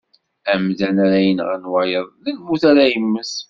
Amdan ara yenɣen wayeḍ, d lmut ara yemmet.